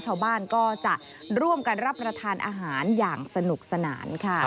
ชาวบ้านก็จะร่วมกันรับประทานอาหารอย่างสนุกสนานค่ะ